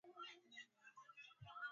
Nitarauka mapema